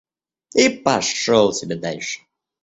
И пошёл себе дальше.